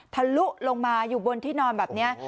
ทะลุลงมาอยู่บนที่นอนแบบนี้